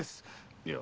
いや。